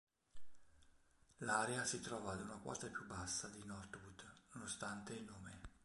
L'area si trova ad una quota più bassa di Northwood, nonostante il nome.